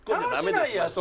楽しないやん